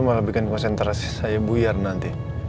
malah bikin konsentrasi saya buyar nanti